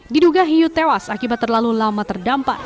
diduga hiu tewas akibat terlalu lama terdampar